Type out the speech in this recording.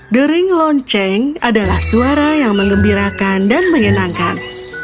dering lonceng adalah suara yang mengembirakan dan menyenangkan